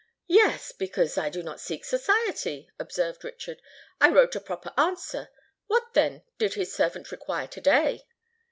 "Yes—because I do not seek society," observed Richard. "I wrote a proper answer: what, then, did his servant require to day?"